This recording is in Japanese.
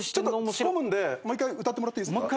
ツッコむんでもう一回歌ってもらっていいですか？